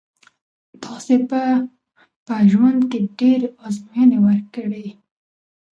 تاسي به په ژوند کښي ډېري آزمویني ورکړي يي.